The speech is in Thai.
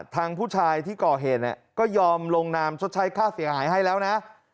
ทางผู้ชายที่ก่อเหตุก็ยอมลงนามชดใช้ค่าเสียหายให้แล้วนะ